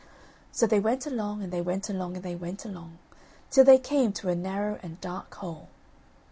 So they went along, and they went along, and they went along, till they came to a narrow and dark hole.